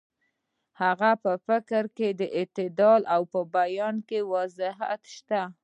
د هغه په فکر کې اعتدال او په بیان کې وضاحت شته.